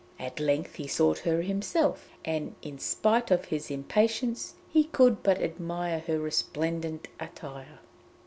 At length he sought her himself, and in spite of his impatience, he could but admire her resplendent attire.